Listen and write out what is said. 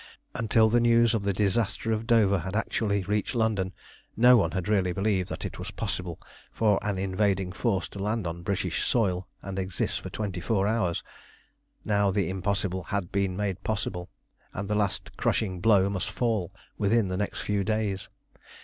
Until the news of the disaster of Dover had actually reached London, no one had really believed that it was possible for an invading force to land on British soil and exist for twenty four hours. Now the impossible had been made possible, and the last crushing blow must fall within the next few days.